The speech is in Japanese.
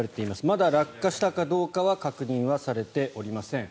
まだ落下したかどうかは確認されておりません。